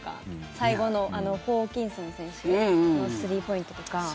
最後のホーキンソン選手のスリーポイントとか。